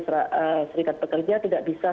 serikat pekerja tidak bisa